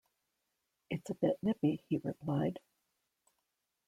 “It’s a bit nippy,” he replied.